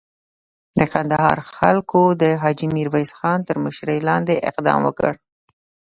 د کندهار خلکو د حاجي میرویس خان تر مشري لاندې اقدام وکړ.